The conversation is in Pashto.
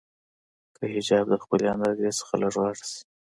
که حباب د خپلې اندازې نه لږ غټ شي.